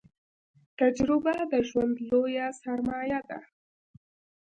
تجربه د ژوند لويه سرمايه ده